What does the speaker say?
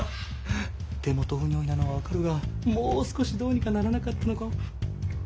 手元不如意なのは分かるがもう少しどうにかならなかったのか？